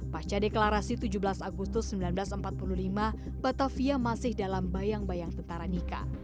pasca deklarasi tujuh belas agustus seribu sembilan ratus empat puluh lima batavia masih dalam bayang bayang tentara nika